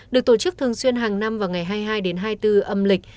được tổ chức thường xuyên hàng năm vào ngày hai mươi hai đến hai mươi bốn âm lịch